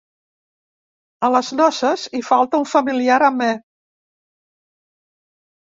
A les noces hi falta un familiar amè.